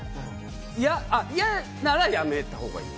嫌ならやめたほうがいい。